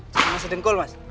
cuma sedenggol mas